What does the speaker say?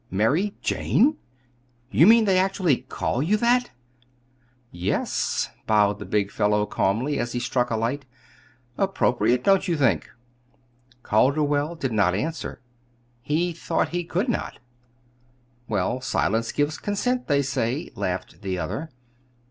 "Mary Jane! You mean they actually call you that?" "Yes," bowed the big fellow, calmly, as he struck a light. "Appropriate! don't you think?" Calderwell did not answer. He thought he could not. "Well, silence gives consent, they say," laughed the other.